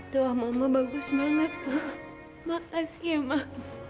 doa mama bagus banget mak makasih ya mak